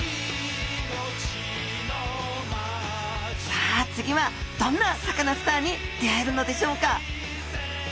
さあ次はどんなサカナスターに出会えるのでしょうか？